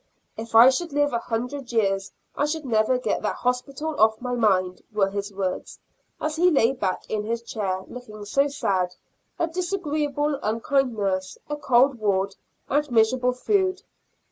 "If I should live a hundred years, I should never get that hospital off my mind," were his words, as he lay back in his chair looking so sad; "a disagreeable, unkind nurse, a cold ward, and miserable food."